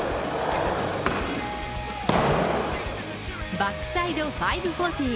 バックサイド５４０。